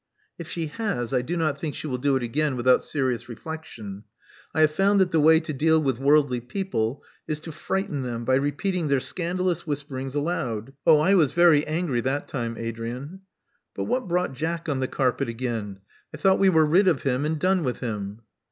'*If she has, I do not think she will do it again with out serious reflexion. I have found that the way to deal with worldly people is to frighten them by repeating their scandalous whisperings aloud. Oh, I was very angry that time, Adrian." But what brought Jack on the carpet again? I thought we were rid of him and done with him?"